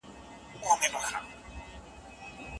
نوښت د پرمختګ لپاره یوه اړتیا ده.